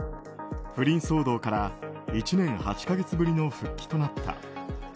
不倫騒動から１年８か月ぶりの復帰となった。